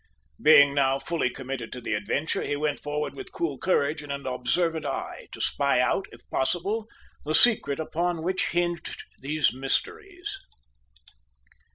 Being now fully committed to the adventure, he went forward with cool courage and an observant eye, to spy out, if possible, the secret upon which hinged these mysteries.